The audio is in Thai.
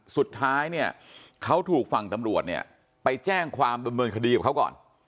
สุดท้ายเนี่ยเขาถูกฝั่งตำรวจเนี่ยไปแจ้งความดำเนินคดีกับเขาก่อน